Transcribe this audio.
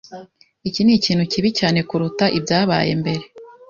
Iki nikintu kibi cyane kuruta ibyabaye mbere.